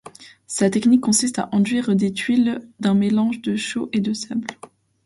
Sa technique consiste à enduire des tuiles d'un mélange de chaux et de sable.